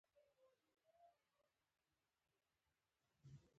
نویو خیالونو د پیدا کولو کوښښ باسي.